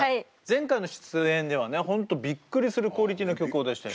前回の出演ではね本当びっくりするクオリティーの曲を出して。